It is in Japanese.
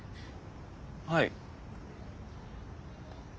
はい。